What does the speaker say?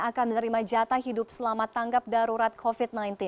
akan menerima jatah hidup selama tanggap darurat covid sembilan belas